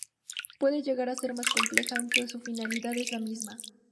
Puede llegar a ser más compleja, aunque su finalidad es la misma.